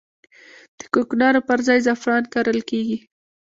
د کوکنارو پر ځای زعفران کرل کیږي